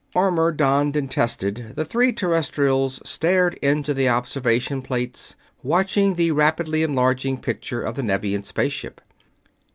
Armor donned and tested, the three Terrestrials stared into the observation plates, watching the rapidly enlarging picture of the Nevian space ship.